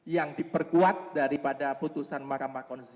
yang diperkuat daripada putusan mahkamah konsesi no enam